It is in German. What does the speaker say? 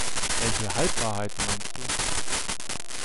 Welche Halbwahrheiten meinst du?